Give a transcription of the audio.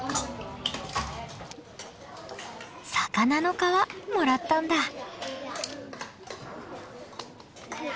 魚の皮もらったんだ。